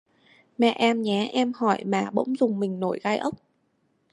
Mẹ em nhé Em hỏi mà bỗng rùng mình nổi gai ốc